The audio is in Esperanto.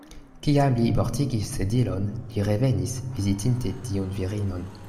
Kiam li mortigis Sedilon, li revenis, vizitinte tiun virinon.